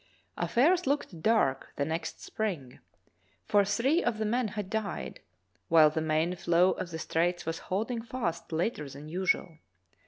Affairs looked dark the next spring, for three of the men had died, while the main floe of the straits was hold ing fast later than usual.